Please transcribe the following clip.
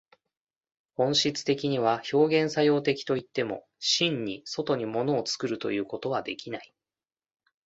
本質的には表現作用的といっても、真に外に物を作るということはできない。